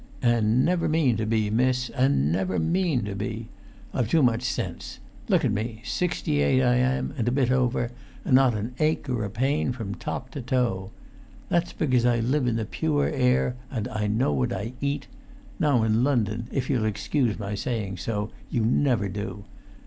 "And never mean to be, miss, and never mean to be! I've too much sense. Look at me: sixty eight I am, and a bit over, and not an ache or a pain from top to toe. That's because I live in the pure air and know what I eat; now in London, if you'll excuse my saying so, you never do.